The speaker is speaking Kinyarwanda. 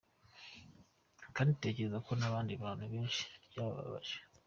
Kandi tekereza ko n’abandi bantu benshi byabababaje.